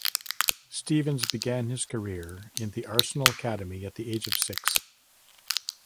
Stevens began his career in the Arsenal Academy at the age of six.